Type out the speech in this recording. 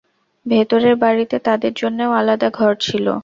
ভেতরের বাড়িতে তাঁদের জন্যেও আলাদা ঘর ছিল।